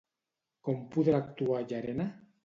Com podrà actuar Llarena?